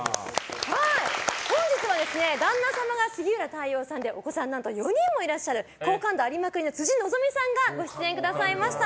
本日は旦那様が杉浦太陽さんでお子さんは４人もいらっしゃる好感度ありまくりの辻希美さんがご出演くださいました。